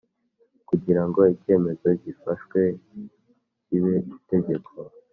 Kugira ngo icyemezo gifashwe kibe itegeko